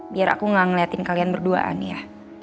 biar aku gak ngeliatin kalian berduaan ya